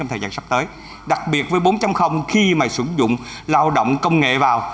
thời gian sắp tới đặc biệt với bốn trăm linh không khi mà sử dụng lao động công nghệ vào